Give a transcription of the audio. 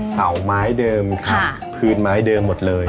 เสาไม้เดิมพื้นไม้เดิมหมดเลย